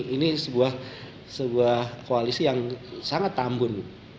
ini sebuah koalisi yang sangat tambun